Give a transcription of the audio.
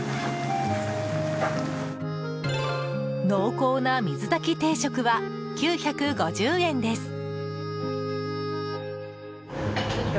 濃厚な水炊き定食は９５０円です。